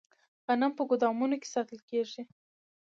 غنم په ګدامونو کې ساتل کیږي.